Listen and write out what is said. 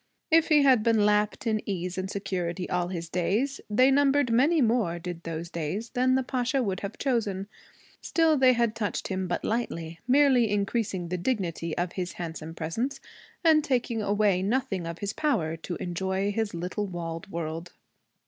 If he had been lapped in ease and security all his days, they numbered many more, did those days, than the Pasha would have chosen. Still, they had touched him but lightly, merely increasing the dignity of his handsome presence and taking away nothing of his power to enjoy his little walled world.